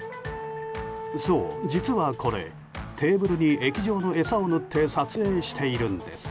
そう、実はこれテーブルに液状の餌を塗って撮影しているんです。